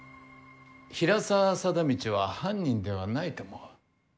平沢貞通は犯人ではないと思う。